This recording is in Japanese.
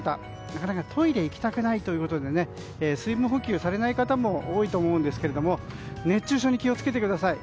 なかなかトイレに行きたくないということで水分補給をされない方も多いと思うんですけども熱中症に気を付けてください。